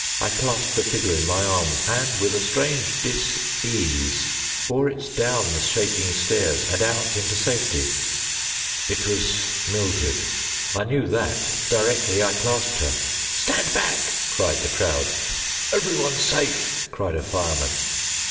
I clasped a figure in my arms, and, with a strange dis ease, bore it down the shaking stairs and out into safety. It was Mildred. I knew that directly I clasped her. "Stand back," cried the crowd. "Every one's safe," cried a fireman.